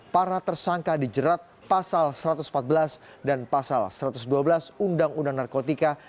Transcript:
para tersangka dijerat pasal satu ratus empat belas dan pasal satu ratus dua belas undang undang narkotika